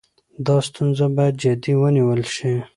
دا ستونزه باید جدي ونیول شي.